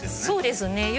そうですね。